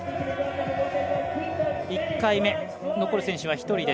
１回目、残る選手は１人。